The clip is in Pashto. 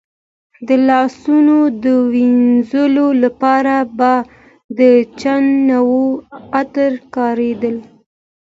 د لاسونو د وینځلو لپاره به د چندڼو عطر کارېدل.